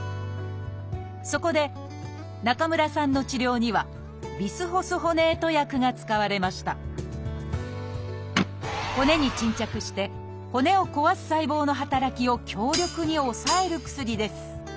そこで中村さんの治療にはビスホスホネート薬が使われました骨に沈着して骨を壊す細胞の働きを強力に抑える薬です。